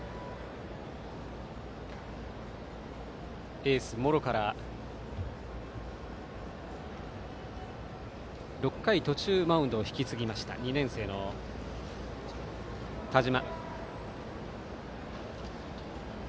エースの茂呂から６回途中でマウンドを引き継ぎました２年生の田嶋。